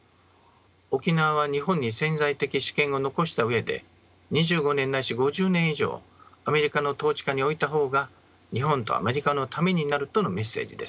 沖縄は日本に潜在的主権を残した上で２５年ないし５０年以上アメリカの統治下に置いた方が日本とアメリカのためになるとのメッセージです。